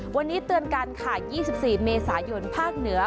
วันนี้เตือนการค่ะยี่สิบสี่เมษายนภาคเหนือ